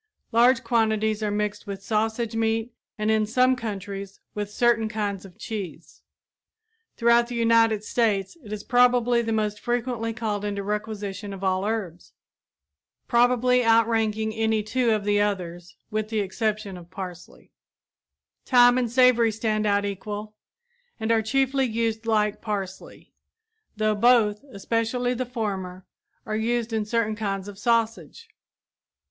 Large quantities are mixed with sausage meat and, in some countries, with certain kinds of cheese. Throughout the United States it is probably the most frequently called into requisition of all herbs, probably outranking any two of the others, with the exception of parsley. [Illustration: Garden Hoes of Various Styles] Thyme and savory stand about equal, and are chiefly used like parsley, though both, especially the former, are used in certain kinds of sausage.